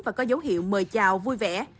và có dấu hiệu mời chào vui vẻ